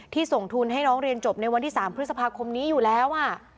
ส่งทุนให้น้องเรียนจบในวันที่๓พฤษภาคมนี้อยู่แล้ว